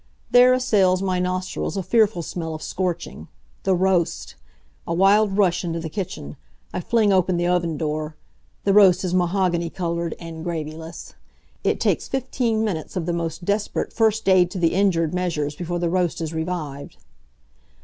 There assails my nostrils a fearful smell of scorching. The roast! A wild rush into the kitchen. I fling open the oven door. The roast is mahogany colored, and gravyless. It takes fifteen minutes of the most desperate first aid to the injured measures before the roast is revived.